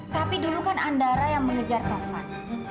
tapi dulu kan andara yang mengejar tovan